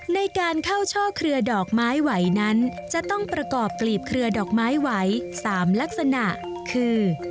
ในการเข้าช่อเครือดอกไม้ไหวนั้นจะต้องประกอบกลีบเครือดอกไม้ไหว๓ลักษณะคือ